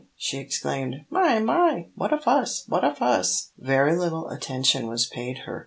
she exclaimed, "my, my! What a fuss what a fuss!" Very little attention was paid her.